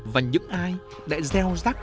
và những ai đã gieo rắc